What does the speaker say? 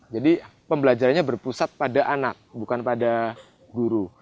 jadi pembelajarannya berpusat pada anak bukan pada guru